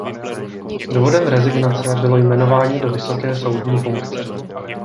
Důvodem rezignace bylo jmenování do vysoké soudní funkce.